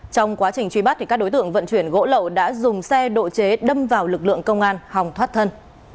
trong quá trình truy bắt các đối tượng vận chuyển gỗ lậu đã dùng xe độ chế đâm vào lực lượng công an hòng thoát thân